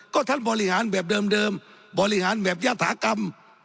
ก็ท่านบริหารแบบเดิมบริหารแบบยธากรรม